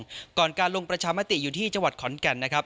ที่น่าเป็นบริการการการลงประชามาติอยู่ที่จังหวัดขอนแก่นนะครับ